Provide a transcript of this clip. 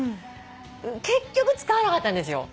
結局使わなかったんですよ。